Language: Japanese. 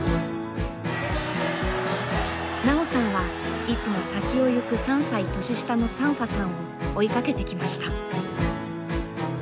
奈緒さんはいつも先を行く３歳年下のサンファさんを追いかけてきました。